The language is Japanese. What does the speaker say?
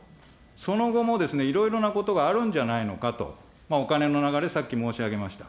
その後もいろいろなことがあるんじゃないのかと、お金の流れ、さっき申し上げました。